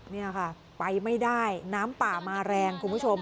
นี่ค่ะไปไม่ได้น้ำป่ามาแรงคุณผู้ชม